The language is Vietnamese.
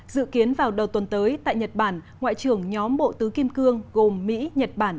dự kiến vào đầu tuần tới tại nhật bản ngoại trưởng nhóm bộ tứ kim cương gồm mỹ nhật bản